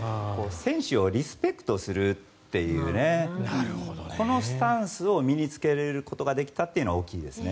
選手をリスペクトするというこのスタンスを身に着けられることができたというのは大きいですね。